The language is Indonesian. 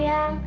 ya udah sayang